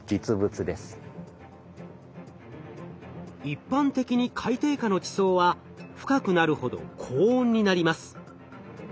一般的に海底下の地層は深くなるほど高温になります。